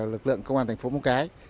lực lượng công an thành phố móng cái